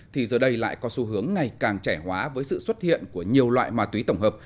thì giờ đây lại có xu hướng ngày càng trẻ hóa với sự xuất hiện của nhiều loại ma túy tổng hợp